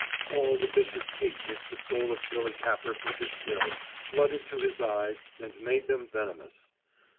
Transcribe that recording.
All the vicious hate which the soul of Billy Capper could distil flooded to his eyes and made them venomous.